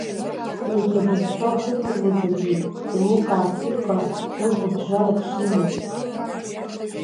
Егьа абызшәа узымдыруазаргьы, еилукаартә иҟан уи гәыԥжәарак шимаз.